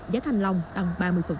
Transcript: giá thanh long tăng ba mươi